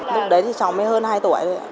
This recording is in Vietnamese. lúc đấy thì cháu mới hơn hai tuổi rồi ạ